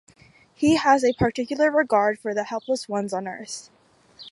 He has a particular regard for the helpless ones on earth.